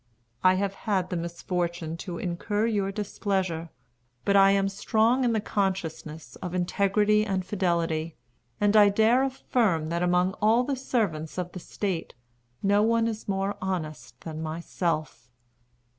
I have had the misfortune to incur your displeasure; but I am strong in the consciousness of integrity and fidelity; and I dare affirm that among all the servants of the state no one is more honest than myself."